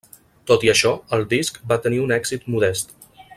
Tot i això, el disc va tenir un èxit modest.